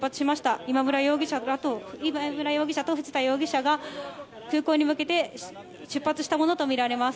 今村容疑者と藤田容疑者が空港に向けて出発したものとみられます。